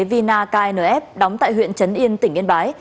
vina knf đóng tại huyện trấn yên tỉnh yên bái